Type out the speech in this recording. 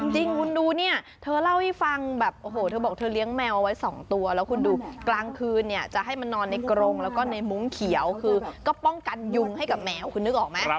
จริงคุณดูเนี่ยเธอเล่าให้ฟังแบบโอ้โหเธอบอกเธอเลี้ยงแมวไว้๒ตัวแล้วคุณดูกลางคืนเนี่ยจะให้มันนอนในกรงแล้วก็ในมุ้งเขียวคือก็ป้องกันยุงให้กับแมวคุณนึกออกไหม